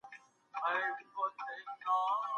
په دغه کوڅې کي ډېرې زړې خاطرې پاته دي.